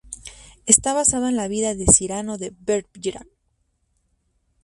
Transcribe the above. Está basado en la vida de Cyrano de Bergerac.